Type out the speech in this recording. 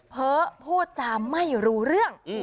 เพ้อพูดจาไม่รู้เรื่อง